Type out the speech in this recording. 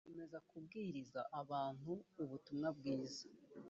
akomeza kubwiriza abantu ubutumwa bwiza